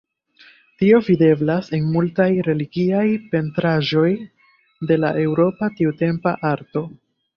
Tio videblas en multaj religiaj pentraĵoj de la eŭropa tiutempa arto.